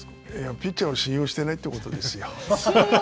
ピッチャーを信用してないということですよ。